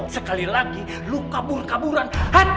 sekali lagi lu kabur kaburan